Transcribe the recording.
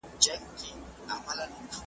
پر آس سپور د پیر بغل ته برابر سو .